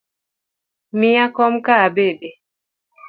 Miya kom ka abede